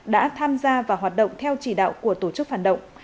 đã tham gia và hoạt động theo chỉ đạo của tổ chức phản động